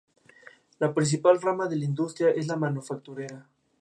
La principal rama de la industria es la manufacturera.